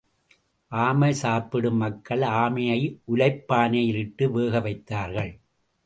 ஆமை சாப்பிடும் மக்கள், ஆமையை உலைப் பானையில் இட்டு வேக வைத்தார்கள்.